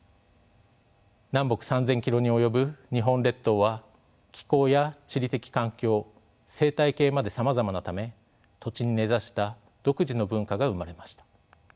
南北３，０００キロに及ぶ日本列島は気候や地理的環境生態系までさまざまなため土地に根ざした独自の文化が生まれました。